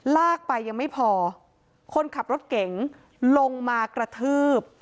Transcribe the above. ลากไปยังไม่พอคนขับรถเก๋งลงมากระทืบ